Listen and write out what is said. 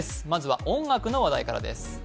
まずは音楽の話題からです。